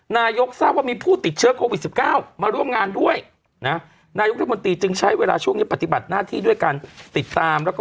นายกทราบว่ามีผู้ติดเชื้อโควิด๑๙มาร่วมงานด้วยนะนายกรัฐมนตรีจึงใช้เวลาช่วงนี้ปฏิบัติหน้าที่ด้วยการติดตามแล้วก็